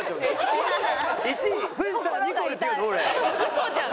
嘘じゃん